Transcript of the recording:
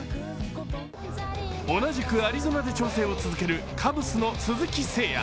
同じくアリゾナで調整を続けるカブスの鈴木誠也。